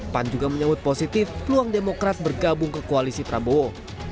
pan juga menyambut positif peluang demokrat bergabung ke koalisi prabowo